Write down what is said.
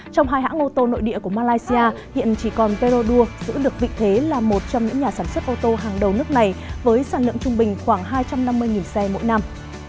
trong hai hãng ô tô nội địa của malaysia hiện chỉ còn perodua giữ được vị thế là một trong những nhà sản xuất ô tô hàng đầu nước này với sản lượng trung bình khoảng hai trăm năm mươi xe mỗi năm